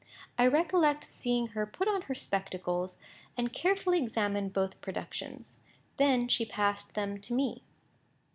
I recollect seeing her put on her spectacles, and carefully examine both productions. Then she passed them to me.